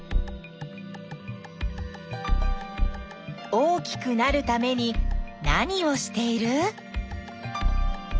大きくなるために何をしている？